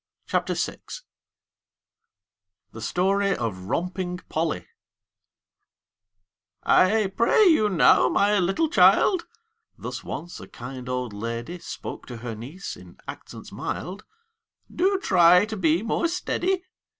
THE STORY OF ROMPING POLLY "I pray you now, my little child," Thus once a kind old lady Spoke to her niece in accents mild, "Do try to be more steady.